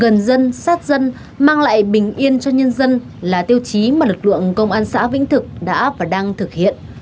gần dân sát dân mang lại bình yên cho nhân dân là tiêu chí mà lực lượng công an xã vĩnh thực đã và đang thực hiện